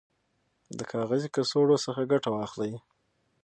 د کاغذي کڅوړو څخه ګټه واخلئ.